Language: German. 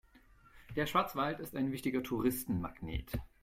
Der Schwarzwald ist ein wichtiger Touristenmagnet.